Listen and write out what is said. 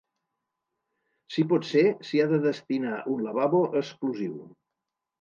Si pot ser s’hi ha de destinar un lavabo exclusiu.